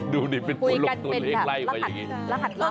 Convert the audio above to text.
ดูดิเป็นพวกหลบตัวเลขไล่กว่าอย่างนี้